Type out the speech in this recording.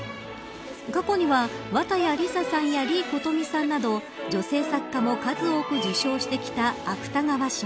過去には綿矢りささんや李琴峰さんなど女性作家も数多く受賞してきた芥川賞。